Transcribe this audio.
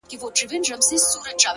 چي ته راځې تر هغو خاندمه؛ خدایان خندوم؛